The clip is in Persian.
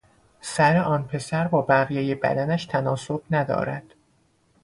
سر آن پسر با بقیهی بدنش تناسب ندارد.